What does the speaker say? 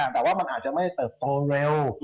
แต่ว่ามันอาจจะไม่เติบโตเร็ว